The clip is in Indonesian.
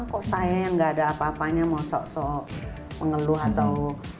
kok saya yang gak ada apa apanya mau sok sok mengeluh atau